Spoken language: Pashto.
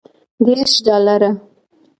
دېرش ډالره.